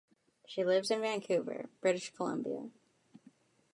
She lives in Vancouver, British Columbia.